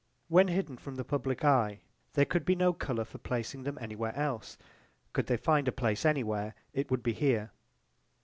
When hidden from the public eye there could be no colour for placing them any where else: could they find a place any where it would be here.